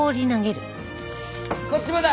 こっちもだ！